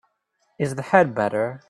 Is the head better?